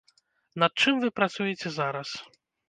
Над чым вы працуеце зараз?